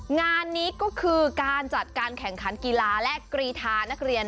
งานนี้ก็คือการจัดการแข่งขันกีฬาและกรีธานักเรียน